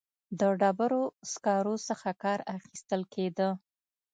د ډبرو سکرو څخه کار اخیستل کېده.